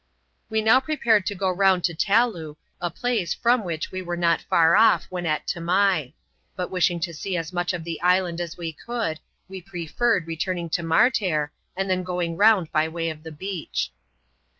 We now prepared to go round to Taloo, a place from which we were not far off when at Tamai ; but wishing to see as much of the island as we could, we preferred returning to Martair^ and then going round by way of the beach.